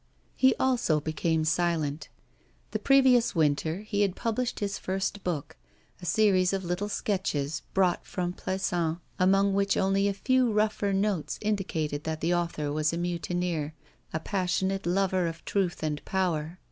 He also became silent. The previous winter he had published his first book: a series of little sketches, brought from Plassans, among which only a few rougher notes indicated that the author was a mutineer, a passionate lover of truth and power.